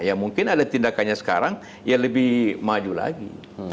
ya mungkin ada tindakannya sekarang ya lebih maju lagi